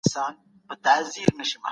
بدن کمزوری کېږي.